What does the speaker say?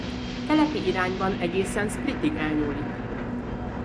Keleti irányban egészen Splitig elnyúlik.